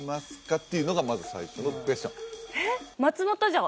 っていうのがまず最初のクエスチョンえっ？